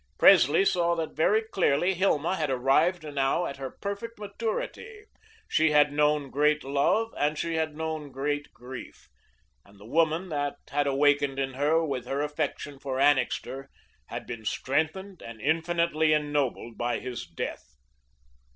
Presley saw that very clearly. Hilma had arrived now at her perfect maturity; she had known great love and she had known great grief, and the woman that had awakened in her with her affection for Annixter had been strengthened and infinitely ennobled by his death.